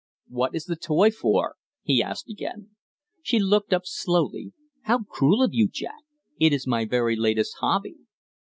"What is the toy for?" he asked again. She looked up slowly. "How cruel of you, Jack! It is my very latest hobby."